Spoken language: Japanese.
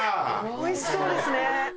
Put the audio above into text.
おいしそうですね！